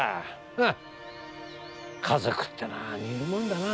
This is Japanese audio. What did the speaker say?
はっ家族ってのは似るもんだな。